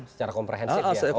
secara komprehensif ya